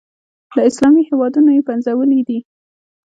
له اسلامي هېوادونو یې پنځولي دي.